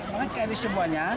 mereka di semuanya